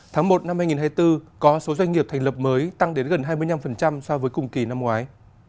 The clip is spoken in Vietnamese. tháng một năm hai nghìn hai mươi bốn có số doanh nghiệp thành lập mới tăng đến gần hai mươi năm so với cùng kỳ năm ngoái